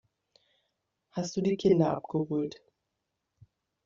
Hast du die Kinder abgeholt.